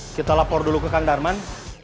kita lapor dulu ke kang darman